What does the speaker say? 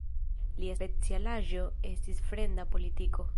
Lia specialaĵo estis fremda politiko.